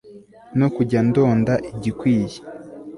no kujya ndonda igikwiye